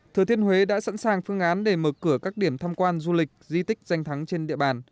thừa thiên huế đã sẵn sàng phương án để mở cửa các điểm thăm quan du lịch di tích danh thắng trên địa bàn